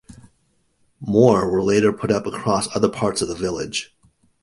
More were later put up across other parts of the village.